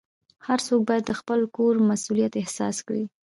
هر څوک باید د خپل کور مسؤلیت احساس کړي.